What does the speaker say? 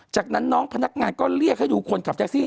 จากนั้นน้องพนักงานก็เรียกให้ดูคนขับแท็กซี่